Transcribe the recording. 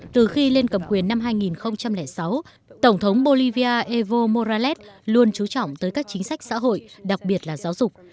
từ khi lên cầm quyền năm hai nghìn sáu tổng thống bolivia evo morales luôn chú trọng tới các chính sách xã hội đặc biệt là giáo dục